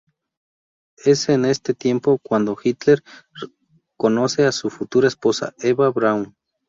Es en ese tiempo, cuando Hitler conoce a su futura esposa, Eva Braun.